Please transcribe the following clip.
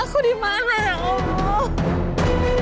bukan ada apa apa